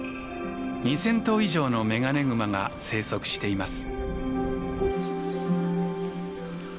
２，０００頭以上のメガネグマが生息しています。